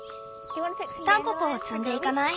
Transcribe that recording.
タンポポを摘んでいかない？